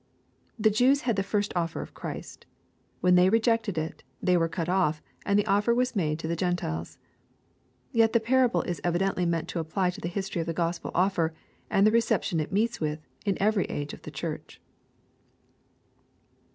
The Jews had the first oflfer of Christ When they rejected it, they were cut off, and the offer was made to the Gen tiles. Yet the parable is evidently meant to apply to the history of the Gospel offer, and the reception it meets with, in every age of the Church.